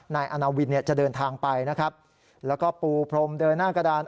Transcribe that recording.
นายอาณาวินเนี่ยจะเดินทางไปนะครับแล้วก็ปูพรมเดินหน้ากระดาน